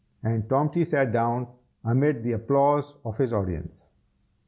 And Tomty sat down, amid the applause of his audience.